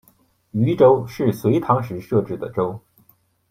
渝州是隋朝时设置的州。